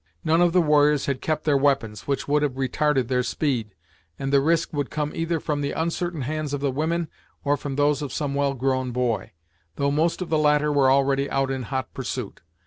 None of the warriors had kept their weapons, which would have retarded their speed, and the risk would come either from the uncertain hands of the women, or from those of some well grown boy; though most of the latter were already out in hot pursuit.